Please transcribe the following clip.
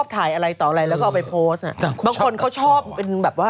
เธอจะอ่ะ